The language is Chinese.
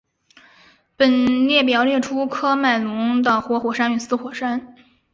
本列表列出喀麦隆的活火山与死火山。